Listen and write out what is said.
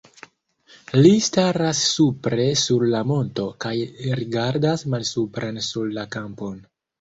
Li staras supre sur la monto kaj rigardas malsupren sur la kampon.